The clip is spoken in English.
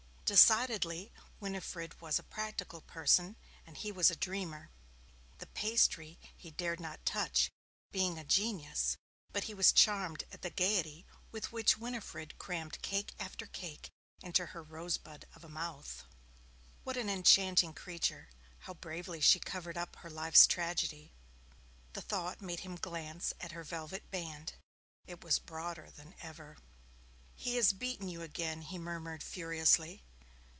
Decidedly Winifred was a practical person and he was a dreamer. The pastry he dared not touch being a genius but he was charmed at the gaiety with which Winifred crammed cake after cake into her rosebud of a mouth. What an enchanting creature! how bravely she covered up her life's tragedy! The thought made him glance at her velvet band it was broader than ever. 'He has beaten you again!' he murmured furiously.